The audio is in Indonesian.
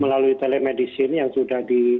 melalui telemedicine yang sudah di